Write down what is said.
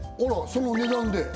その値段で？